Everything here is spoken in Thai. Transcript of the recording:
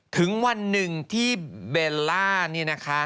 ถึงวันหนึ่งที่เบลล่านี่นะคะ